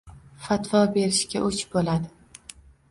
fatvo berishga o‘ch bo‘ladi.